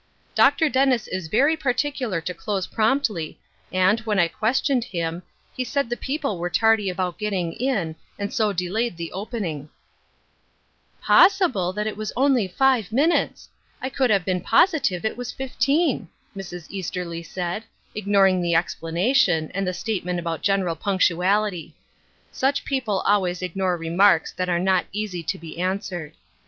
" Dr. Dennis is very particular to close promptly, and, when 1 questioned him, he said the people were tardy about getting in, and so delayed the opening." * 164 Ruth Urskine^s Crosse*. ^^ Possible that it was only five minutes! I could have been positive it was fifteen '" Mrs. Easterly said, ignoring the explanation, and the statement about general punctuality. Such peo ple always ignore remarks that are not easy to be answered.